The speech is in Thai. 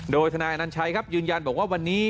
โดยทนายอนัญชัยครับยืนยันบอกว่าวันนี้